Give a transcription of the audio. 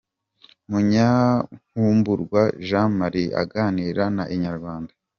Munyankumburwa Jean Marie aganira na Inyarwanda.